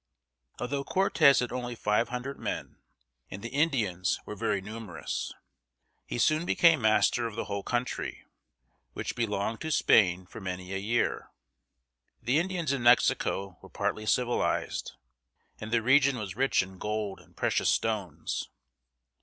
Although Cortez had only five hundred men, and the Indians were very numerous, he soon became master of the whole country, which belonged to Spain for many a year. The Indians in Mexico were partly civilized, and the region was rich in gold and precious stones.